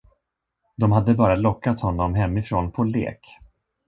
De hade bara lockat honom hemifrån på lek.